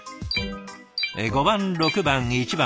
５番６番１番。